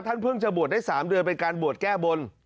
ท่านเพิ่งจะบวชได้๓เดือนเป็นการบวชแก้บน